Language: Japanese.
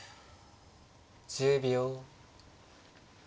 １０秒。